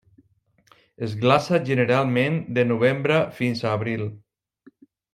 Es glaça generalment de novembre fins a abril.